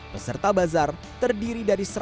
peserta bazar terdiri dari satu ratus dua puluh empat